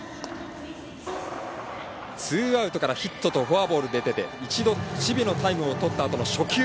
ツーアウトからヒットとフォアボールで出て一度、守備のタイムをとったあとの初球。